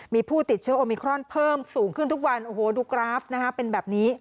มีผู้ติดเชื้อโอมิครอนเพิ่มสูงขึ้นทุกวันโอ้โหดูกราฟนะฮะเป็นแบบนี้